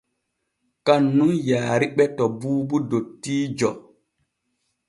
Kan nun yaariɓe to Buubu dottiijo.